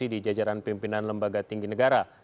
di jajaran pimpinan lembaga tinggi negara